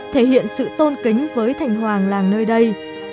thể hiện sự tôn kính với thành hoàng làng nơi đây